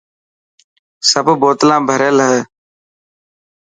سب بوتلنا ڀريل هي.